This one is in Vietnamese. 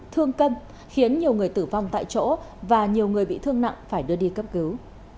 thương tâm khiến nhiều người tử vong tại chỗ và nhiều người bị thương nặng phải đưa đi cấp cứu